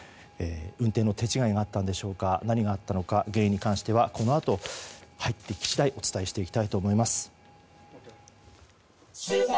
運転の手違いがあったのか何があったのか原因に関してはこのあと、入ってき次第お伝えしていきたいと思います。